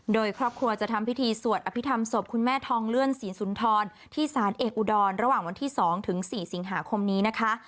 โดยครอบครัวจะทำพิธีสวดอภิษฐรรมศพคุณแม่ทองเลื่อนศรีสุนทรที่สารเอกอุดรระหว่างวันที่๒ถึง๔สิงหาคมนี้นะคะ